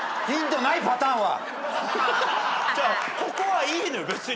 ここはいいのよ